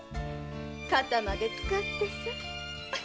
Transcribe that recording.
肩までつかってさ。